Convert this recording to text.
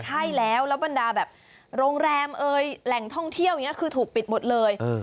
ใช่แล้วแล้วบรรดาแบบโรงแรมเอ่ยแหล่งท่องเที่ยวอย่างนี้คือถูกปิดหมดเลย